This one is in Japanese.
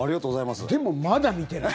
でも、まだ見てない。